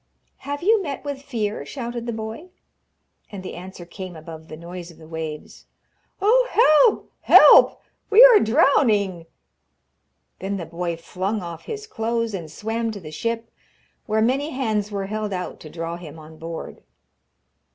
'Have you met with fear?' shouted the boy. And the answer came above the noise of the waves. 'Oh, help! help! We are drowning!' Then the boy flung off his clothes, and swam to the ship, where many hands were held out to draw him on board.